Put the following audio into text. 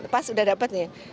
pas udah dapet nih